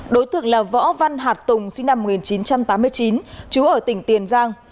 đối tượng là võ văn hạt tùng sinh năm một nghìn chín trăm tám mươi chín chú ở tỉnh tiền giang